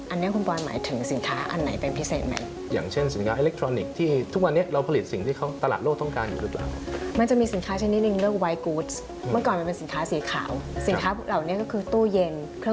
อันนี้คุณปอยหมายถึงสินค้าอันไหนเป็นพิเศษไหม